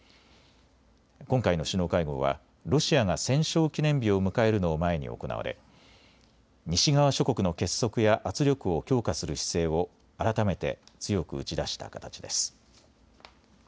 今回の首脳会合はロシアが戦勝記念日を迎えるのを前に行われ西側諸国の結束や圧力を強化する姿勢を改めて強く打ち出した形です。